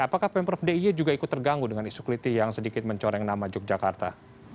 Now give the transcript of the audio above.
apakah pemprov d i y juga ikut terganggu dengan isu keliti yang sedikit mencoreng nama yogyakarta